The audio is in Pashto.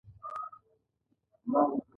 زما ساعت سپين او ژړ دی.